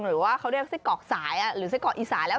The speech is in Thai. หรือว่าเขาเรียกไส้กรอกสายหรือไส้กรอกอีสานแล้ว